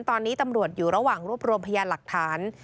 ตอนนี้ตำรวจอยู่ระหว่างรวบรวมพยานหลักฐาน